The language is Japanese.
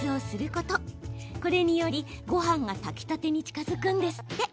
これによりごはんが炊きたてに近づくんですって。